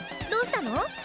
どうしたの？